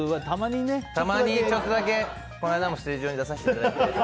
たまにちょっとだけこの間もステージ上に出させていただいて。